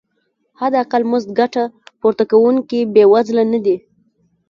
حداقل مزد ګټه پورته کوونکي بې وزله نه دي.